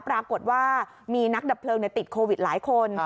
ปรากฏว่ามีนักดับเพลิงติดโควิดหลายคน